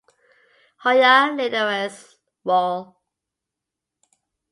"Hoya linearis" Wall.